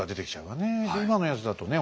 今のやつだとね